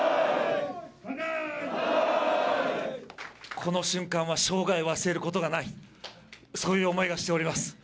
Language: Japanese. この瞬間は生涯忘れることがない、そういう思いがしております。